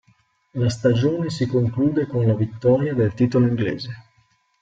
La stagione si conclude con la vittoria del titolo inglese.